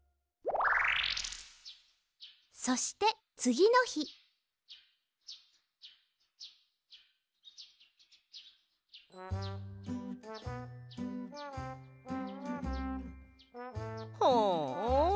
そしてつぎのひはあ。